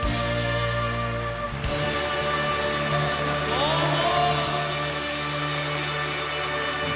どうも！